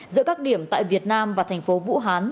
giữa các điểm tại việt nam và thành phố vũ hán